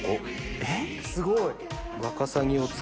えっすごい！